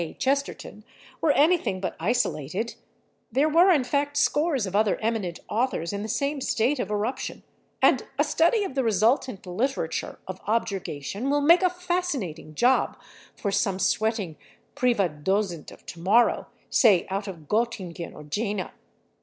K. Chesterton were anything but isolated; there were, in fact, scores of other eminent authors in the same state of eruption, and a study of the resultant literature of objurgation will make a fascinating job for some sweating Privatdozent of to morrow, say out of Göttingen or Jena.